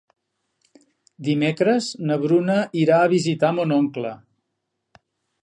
Dimecres na Bruna irà a visitar mon oncle.